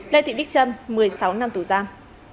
lê thị bích trâm một mươi sáu năm tù giam